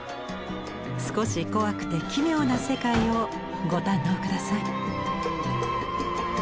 少し怖くて奇妙な世界をご堪能下さい。